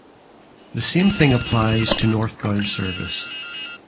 The same thing applies to Northbound service.